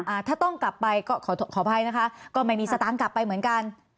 อ่าถ้าต้องกลับไปก็ขอขออภัยนะคะก็ไม่มีสตางค์กลับไปเหมือนกัน